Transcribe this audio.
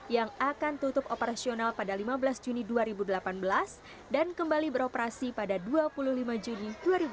yang akan tutup operasional pada lima belas juni dua ribu delapan belas dan kembali beroperasi pada dua puluh lima juni dua ribu delapan belas